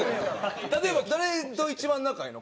例えば誰と一番仲いいの？